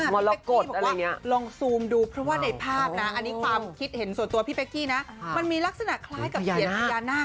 พี่เป๊กกี้บอกว่าลองซูมดูเพราะว่าในภาพนะอันนี้ความคิดเห็นส่วนตัวพี่เป๊กกี้นะมันมีลักษณะคล้ายกับเสียญพญานาค